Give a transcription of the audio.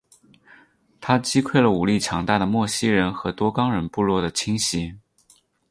他击溃了武力强大的莫西人和多冈人部落的侵袭。